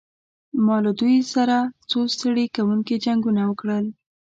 ما له دوی سره څو ستړي کوونکي جنګونه وکړل.